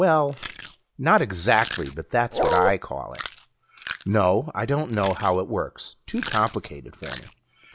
Well, not exactly, but that's what I call it. No, I don't know how it works. Too complicated for me.